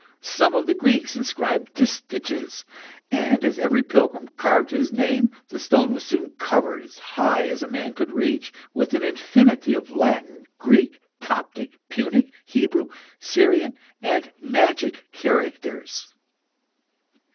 Some of the Greeks inscribed distiches, and as every pilgrim carved his name, the stone was soon covered as high as a man could reach with an infinity of Latin, Greek, Coptic, Punic, Hebrew, Syrian, and magic characters.